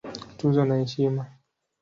Tuzo na Heshima